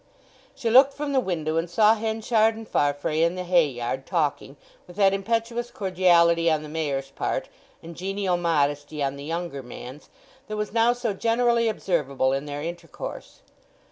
She looked from the window and saw Henchard and Farfrae in the hay yard talking, with that impetuous cordiality on the Mayor's part, and genial modesty on the younger man's, that was now so generally observable in their intercourse.